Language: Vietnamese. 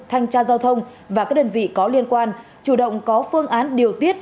thanh tra giao thông và các đơn vị có liên quan chủ động có phương án điều tiết